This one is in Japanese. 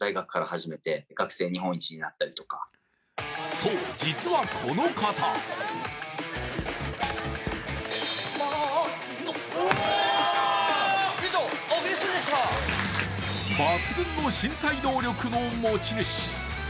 そう、実はこの方抜群の身体能力の持ち主。